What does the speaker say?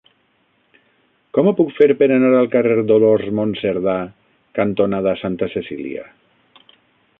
Com ho puc fer per anar al carrer Dolors Monserdà cantonada Santa Cecília?